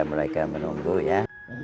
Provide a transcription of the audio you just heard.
mereka menunggu ya